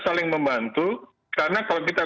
saling membantu karena kalau kita